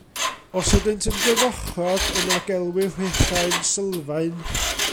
Os ydynt yn gyfochrog yna gelwir hwythau'n sylfaen.